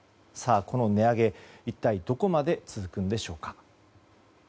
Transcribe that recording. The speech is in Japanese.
この値上げ一体どこまで続くのでしょうか。